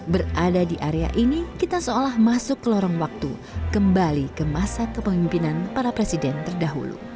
berada di area ini kita seolah masuk ke lorong waktu kembali ke masa kepemimpinan para presiden terdahulu